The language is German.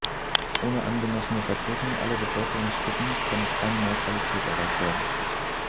Ohne angemessene Vertretung aller Bevölkerungsgruppen könne keine Neutralität erreicht werden.